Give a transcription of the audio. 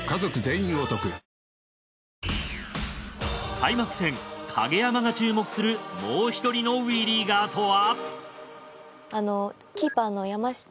開幕戦影山が注目するもう１人のＷＥリーガーとは！？